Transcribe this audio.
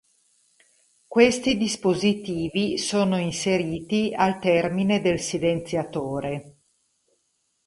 Questi dispositivi sono inseriti al termine del silenziatore.